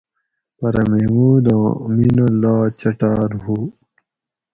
پرہ محموداں مینہ لا چٹاۤر ہوُ